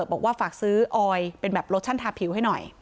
บอกว่าฝากซื้อออยเป็นแบบโลชั่นทาผิวให้หน่อย